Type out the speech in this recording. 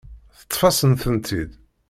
Teṭṭef-asent-tent-id.